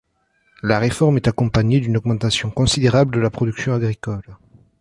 La réforme est accompagnée d'une augmentation considérable de la production agricole.